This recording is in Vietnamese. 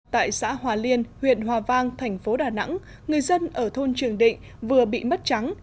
tại xã hòa liên huyện hòa vang thành phố đà nẵng người dân ở thôn trường định vừa bị mất trắng